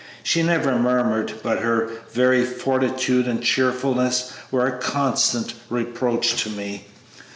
She never murmured, but her very fortitude and cheerfulness were a constant reproach to me.